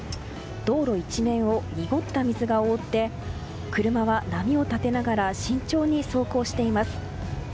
道路一面を濁った水が覆って車は波を立てながら慎重に走行しています。